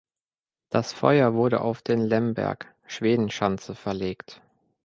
Das Feuer wurde auf den Lemberg (Schwedenschanze) verlegt.